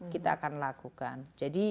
kita akan lakukan jadi